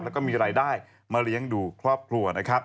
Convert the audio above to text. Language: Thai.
แล้วก็มีหลายด้ายมารียังดูครอบครัวนะครับ